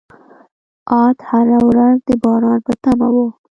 عاد هره ورځ د باران په تمه وو.